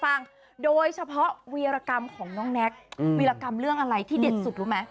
ฟังโดยเฉพาะวีรกรรมของน้องแน็กวีรกรรมเรื่องอะไรที่เด็ดสุดรู้ไหม